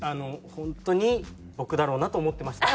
本当に僕だろうなと思ってました。